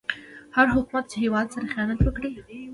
هر حکومت چې هيواد سره خيانت وکړي